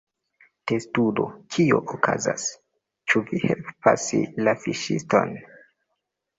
Testudo: "Kio okazas? Ĉu vi helpas la fiŝiston?"